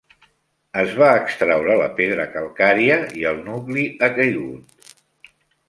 Es va extraure la pedra calcària i el nucli ha caigut.